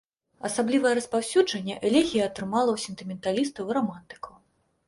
Асаблівае распаўсюджанне элегія атрымала ў сентыменталістаў і рамантыкаў.